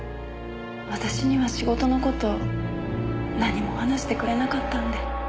私には仕事の事何も話してくれなかったんで。